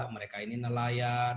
mereka ini nelayan